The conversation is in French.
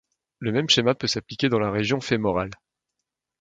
Le même schéma peut s'appliquer dans la région fémorale.